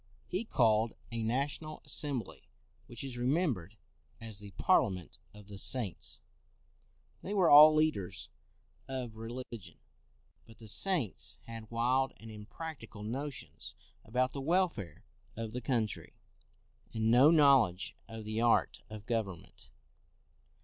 He called a national assembly which is re membered as the Parliament of the Saints: they were all leaders of religion. But the Saints had wild and impracticable notions about the welfare of the country, and no knowledge of the art of govern ment.